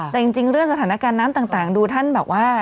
แต่จริงเรื่องสถานการณ์น้ำต่างดูท่านแบบว่า